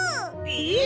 えっ！